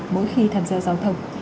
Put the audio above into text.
mỗi khi tham gia giao thông